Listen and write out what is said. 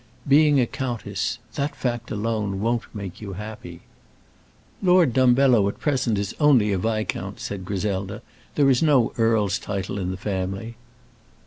Being a countess that fact alone won't make you happy." "Lord Dumbello at present is only a viscount," said Griselda. "There is no earl's title in the family."